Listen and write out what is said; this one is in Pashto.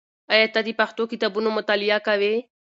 آیا ته د پښتو کتابونو مطالعه کوې؟